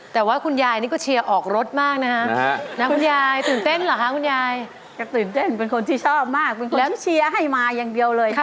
แต่ว่าคุณยายนี่ก็เชียร์ออกรถมากนะคะนะครับ